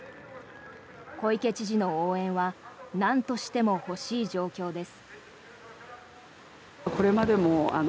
小池知事の応援はなんとしても欲しい状況です。